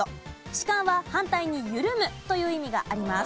弛緩は反対に緩むという意味があります。